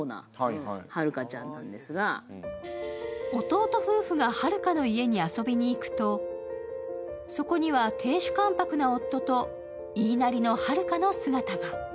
弟夫婦が榛花の家に遊びに行くと、そこには亭主関白な夫と、言いなりの榛花の姿が。